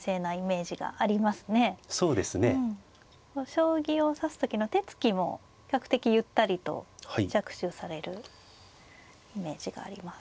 将棋を指す時の手つきも比較的ゆったりと着手されるイメージがあります。